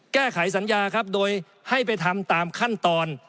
แก้ไขสัญญาครับโดยให้ไปทำตามขั้นตอน